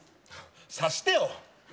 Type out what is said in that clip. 察してよ！